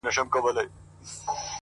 کاينات راڅه هېريږي ورځ تېرېږي؛